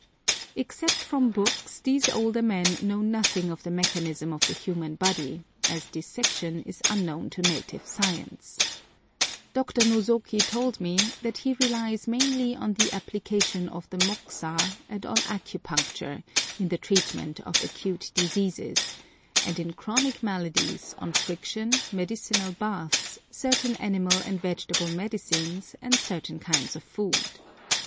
Except from books these older men know nothing of the mechanism of the human body, as dissection is unknown to native science. Dr. Nosoki told me that he relies mainly on the application of the moxa and on acupuncture in the treatment of acute diseases, and in chronic maladies on friction, medicinal baths, certain animal and vegetable medicines, and certain kinds of food.